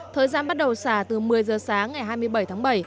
thời gian bắt đầu xả từ một mươi giờ sáng ngày hai mươi bảy tháng bảy